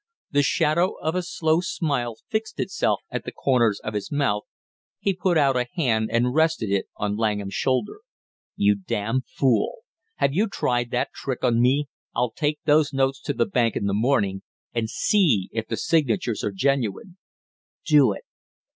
The shadow of a slow smile fixed itself at the corners of his mouth, he put out a hand and rested it on Langham's shoulder. "You damn fool! Have you tried that trick on me? I'll take those notes to the bank in the morning and see if the signatures are genuine." "Do it!"